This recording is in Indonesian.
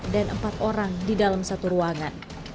dan empat orang di dalam satu ruangan